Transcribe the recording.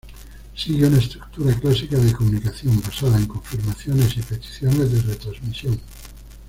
Sigue una estructura clásica de comunicación basada en confirmaciones y peticiones de retransmisión.